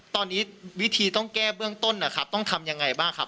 ตอนนี้วิธีต้องแก้เบื้องต้นนะครับต้องทำยังไงบ้างครับ